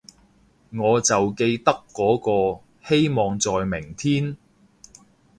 我就記得嗰個，希望在明天